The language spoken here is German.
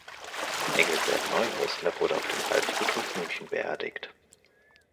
Engelbert Neuhäusler wurde auf dem Waldfriedhof München beerdigt.